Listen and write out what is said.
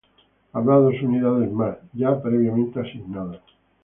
Habrá dos unidades más, ya previamente asignadas.